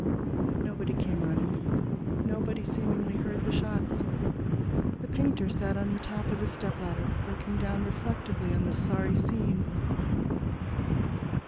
Nobody came running. Nobody, seemingly, heard the shots. The painter sat on the top of his stepladder, looking down reflectively on the sorry scene.